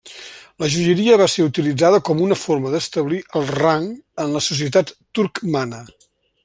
La joieria va ser utilitzada com una forma d'establir el rang en la societat turcmana.